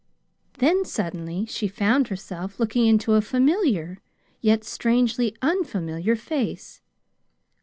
Then, suddenly, she found herself looking into a familiar, yet strangely unfamiliar face.